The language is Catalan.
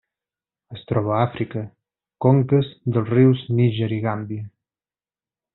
Es troba a Àfrica: conques dels rius Níger i Gàmbia.